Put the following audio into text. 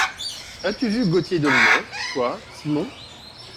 As-tu vu le Gaultier d’Aulnay, toi, Simon ?